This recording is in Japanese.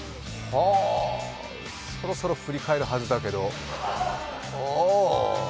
そろそろ振り返るはずだけど。